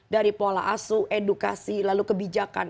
dari pola asu edukasi lalu kebijakan